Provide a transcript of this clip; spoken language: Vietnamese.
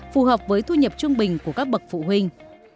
phù hợp với thu nhập trung bình của các bậc phụ huynh